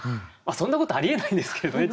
そんなことありえないんですけれどね。